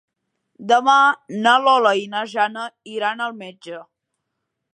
Demà na Lola i na Jana iran al metge.